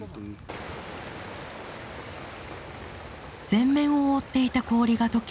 全面を覆っていた氷が解け